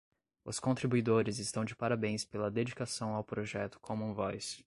Os contribuidores estão de parabéns pela dedicação ao projeto common voice